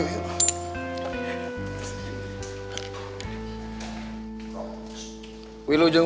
yuk yuk bang